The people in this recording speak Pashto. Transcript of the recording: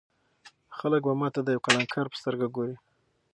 خلک به ما ته د یو کلانکار په سترګه ګوري.